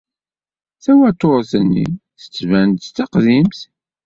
Tawaturt-nni tettban-d d taqdimt?